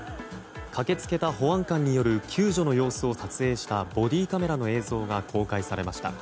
駆け付けた保安官による救助の様子を撮影したボディーカメラの映像が公開されました。